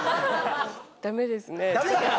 「ダメですね」？